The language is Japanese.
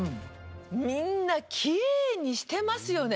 みんなきれいにしてますよね。